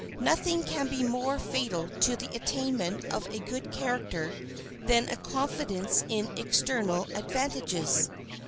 Nothing can be more fatal to the attainment of a good character than a confidence in external advantages.